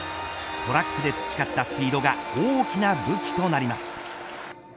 トラックで培ったスピードが大きな武器となります。